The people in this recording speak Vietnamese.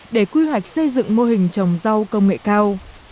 để quy hoạch xây dựng mô hình trồng rau công nghệ cao